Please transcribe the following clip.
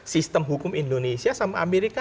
sistem hukum indonesia sama amerika